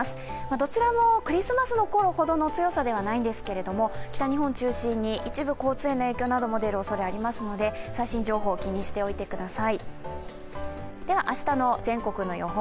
どちらもクリスマスのころほどの強さではないんですけれども、北日本を中心に一部交通などへの影響も出るおそれがありますので最新情報気にしておいてください。